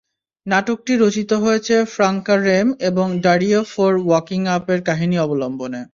নাটকটি রচিত হয়েছে ফ্রাংকা রেম এবং ডারিও ফোর ওয়াকিং আপ-এর কাহিনি অবলম্বনে।